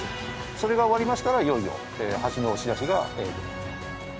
それが終わりましたらいよいよ橋の押し出しができますと。